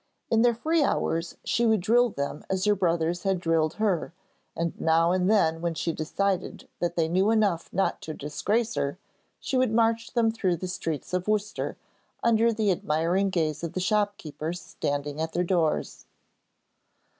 In their free hours, she would drill them as her brothers had drilled her, and now and then when she decided that they knew enough not to disgrace her, she would march them through the streets of Worcester, under the admiring gaze of the shopkeepers standing at their doors.